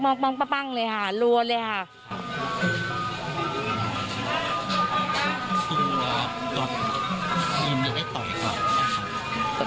สูงราคก็ไม่ได้ต่อยค่ะ